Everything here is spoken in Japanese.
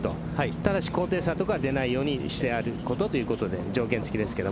ただし高低差とかは出ないようにしてやることという条件付きですけど。